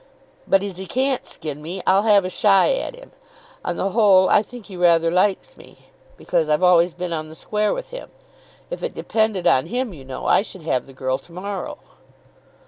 But as he can't skin me, I'll have a shy at him. On the whole I think he rather likes me, because I've always been on the square with him. If it depended on him, you know, I should have the girl to morrow."